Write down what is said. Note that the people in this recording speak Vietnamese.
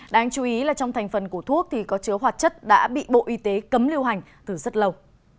đáng chú ý là trong thành phần của thuốc thì có chứa hoạt chất đã bị bộ y tế cấm lưu hành từ rất lâu